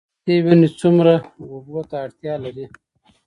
د پستې ونې څومره اوبو ته اړتیا لري؟